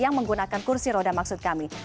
yang menggunakan kursi roda maksud kami